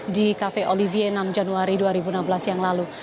di cafe olivier enam januari dua ribu enam belas yang lalu